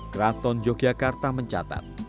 kraton yogyakarta mencatat